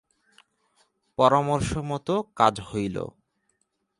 পরামর্শমতো কাজ হইল।